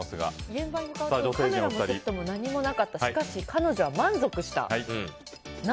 現場に行っても何もなかったしかし、彼女は満足した。